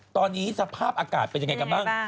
ตอนนี้สภาพอากาศเป็นอย่างไรบ้าง